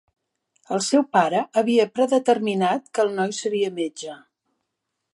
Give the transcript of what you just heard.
El seu pare havia predeterminat que el noi seria metge.